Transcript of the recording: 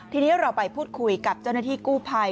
ทีนี้เราไปพูดคุยกับเจ้าหน้าที่กู้ภัย